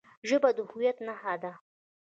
ژبه د هویت نښه ده.